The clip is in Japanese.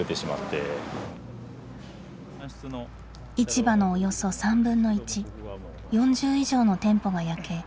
市場のおよそ３分の１４０以上の店舗が焼け